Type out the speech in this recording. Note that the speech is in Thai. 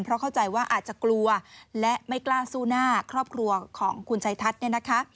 เพราะเข้าใจว่าอาจจะกลัวและไม่กล้าสู้หน้าครอบครัวของคุณชัยทัศน์เนี่ยนะคะ